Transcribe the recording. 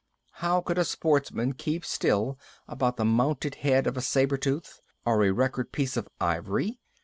"How could a sportsman keep still about the mounted head of a saber tooth or a record piece of ivory?"